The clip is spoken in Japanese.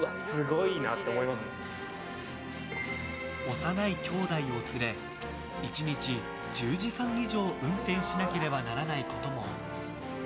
幼い兄弟を連れ１日１０時間以上運転しなければならないことも。